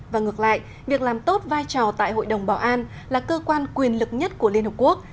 và ngược lại việc làm tốt vai trò tại hội đồng bảo an là cơ quan quyền lực nhất của liên hợp quốc